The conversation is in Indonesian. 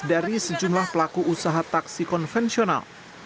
dari sejumlah pelaku usaha taksi konvensional